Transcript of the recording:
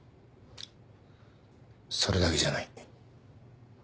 それだけじゃない。